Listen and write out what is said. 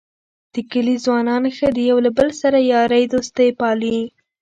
د کلي ځوانان ښه دي یو له بل سره یارۍ دوستۍ پالي.